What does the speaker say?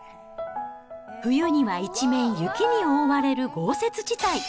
冬には一面雪に覆われる豪雪地帯。